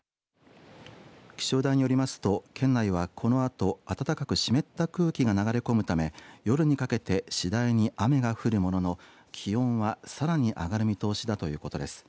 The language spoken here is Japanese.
気象台によりますと、県内はこのあと暖かく湿った空気が流れ込むため夜にかけて次第に雨が降るものの気温は、さらに上がる見通しだということです。